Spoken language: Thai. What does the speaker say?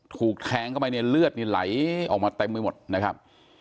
ถูกแทงเข้าไปในเลือดล้ายออกมาแทบไม่หมดนะครับ